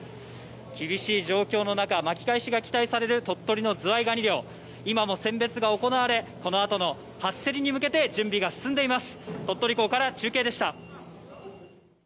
厳しい状況の中、巻き返しが期待される鳥取のズワイガニ漁、今も選別が行われ、このあとの初競りに向けて、準備が進んでいます。